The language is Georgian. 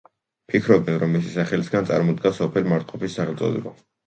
ფიქრობდნენ, რომ მისი სახელისაგან წარმოდგა სოფელ მარტყოფის სახელწოდება.